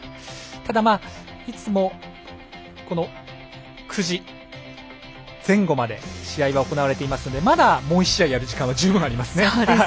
ただ、いつも９時前後まで試合は行われていますのでまだもう１試合やる時間は十分ありますね。